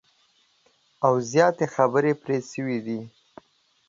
او زیاتي خبري پر سوي دي